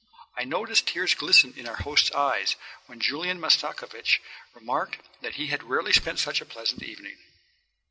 I noticed tears glisten in our host's eyes when Julian Mastakovich remarked that he had rarely spent such a pleasant evening.